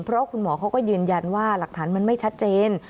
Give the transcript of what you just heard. เพราะคุณหมอเขาก็ยืนยันว่าหลักฐานมันไม่ชัดเจน